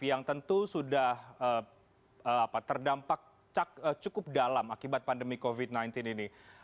yang tentu sudah terdampak cukup dalam akibat pandemi covid sembilan belas ini